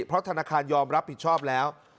เพราะธนาคารยอมรับผิดชอบแล้ว